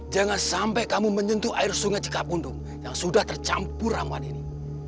jangan sampai kamu menyentuh air sungai jika pundung yang sudah tercampur ramuan ini